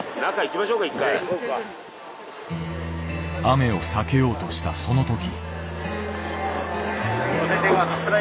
雨を避けようとしたその時。